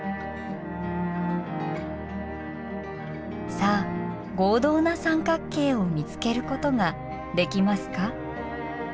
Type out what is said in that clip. さあ合同な三角形を見つけることができますか？